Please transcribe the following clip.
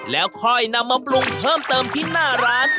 แล้วค่อยนำมาปรุงเพิ่มเติมที่หน้าร้าน